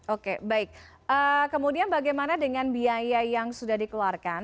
oke baik kemudian bagaimana dengan biaya yang sudah dikeluarkan